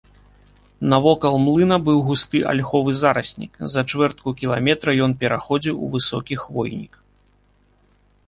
Навокал млына быў густы альховы зараснік, за чвэртку кіламетра ён пераходзіў у высокі хвойнік.